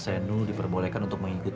saya butuh duit